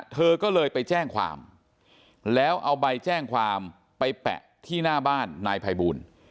เธอก็เลยไปแจ้งความแล้วเอาใบแจ้งความไปแปะที่หน้าบ้านนายภัยบูล